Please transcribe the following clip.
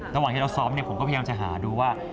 ระหว่างที่เราซ้อมผมก็พยายามจะหาดูว่า